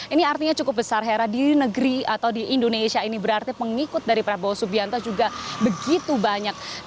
ini artinya cukup besar hera di negeri atau di indonesia ini berarti pengikut dari prabowo subianto juga begitu banyak